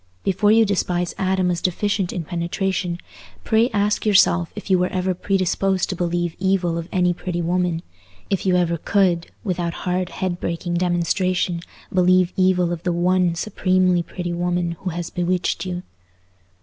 Before you despise Adam as deficient in penetration, pray ask yourself if you were ever predisposed to believe evil of any pretty woman—if you ever could, without hard head breaking demonstration, believe evil of the one supremely pretty woman who has bewitched you.